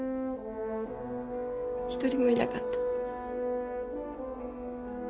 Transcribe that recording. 一人もいなかった。